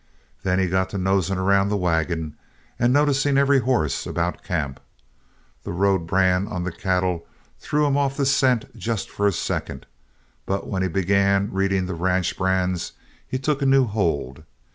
Then he got to nosing around the wagon and noticing every horse about camp. The road brand on the cattle threw him off the scent just for a second, but when he began reading the ranch brands, he took a new hold.